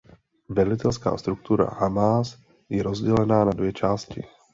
Velitelská struktura Hamásu je rozdělena na dvě části.